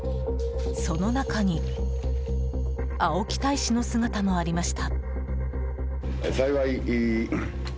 その中に青木大使の姿もありました。